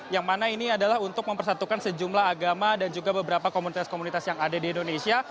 yang mana ini adalah untuk mempersatukan sejumlah agama dan juga beberapa komunitas komunitas yang ada di indonesia